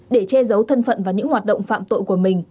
để che giấu thân phận và những hoạt động phạm tội của mình